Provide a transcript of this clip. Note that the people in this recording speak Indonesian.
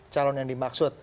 calon yang dimaksud